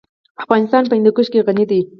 افغانستان په هندوکش غني دی.